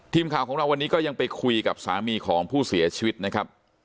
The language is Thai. ทีมข่าวของเราวันนี้ก็ยังไปคุยกับสามีของผู้เสียชีวิตนะครับ